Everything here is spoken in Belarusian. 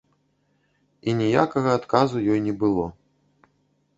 І ніякага адказу ёй не было.